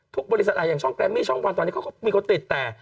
บริษัทอย่างช่องแรมมี่ช่องวันตอนนี้เขาก็มีคนติดแต่